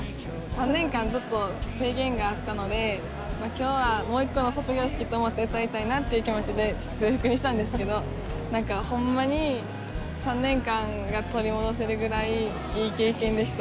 ３年間ずっと制限があったのでもう今日はもう一個の卒業式と思って歌いたいなという気持ちで制服にしたんですけど何かホンマに３年間が取り戻せるぐらいいい経験でした。